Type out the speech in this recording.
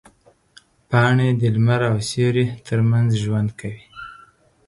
پاڼې د لمر او سیوري ترمنځ ژوند کوي.